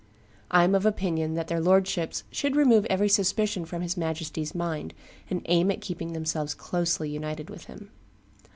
... I am of opinion that their lordships should remove every suspicion from his Majesty's mind, and aim at keeping themselves closely united with him."